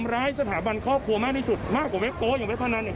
ร้ายสถาบันครอบครัวมากที่สุดมากกว่าเว็บโป๊อย่างเว็บพนันเนี่ย